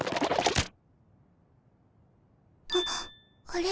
はっあれ？